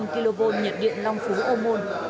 năm trăm linh kv nhiệt điện long phú âu môn